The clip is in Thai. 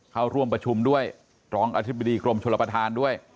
เข้าร่วมประชุมด้วยรองอธิบดีกรมชลประธานด้วย